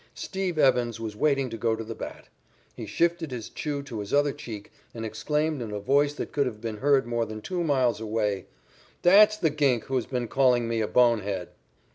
"Steve" Evans was waiting to go to the bat. He shifted his chew to his other cheek and exclaimed in a voice that could not have been heard more than two miles away: "That's the 'gink' who has been calling me a 'bone head.'"